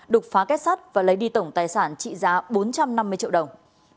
đục phá kết sắt và lấy đi tổng tài sản trị giá bốn trăm năm mươi triệu đồng